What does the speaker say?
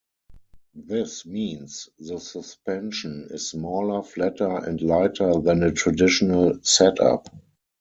This means the suspension is smaller, flatter and lighter than a traditional setup.